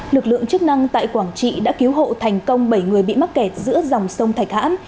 lực lượng chức năng tại quảng trị đã cứu hộ thành công bảy người bị mắc kẹt giữa dòng sông thạch hãn